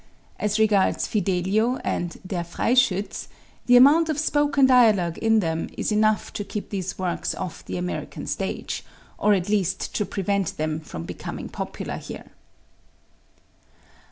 As regards "Fidelio" and "Der Freischütz," the amount of spoken dialogue in them is enough to keep these works off the American stage, or at least to prevent them from becoming popular here.